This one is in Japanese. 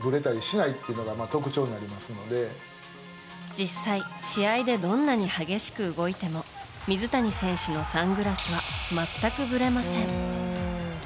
実際、試合でどんなに激しく動いても水谷選手のサングラスは全くぶれません。